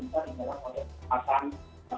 kita lakukan oleh penempatan